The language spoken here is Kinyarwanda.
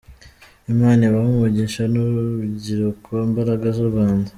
Imana ibahe umugisha rubyiruko mbaraga z’u Rwanda.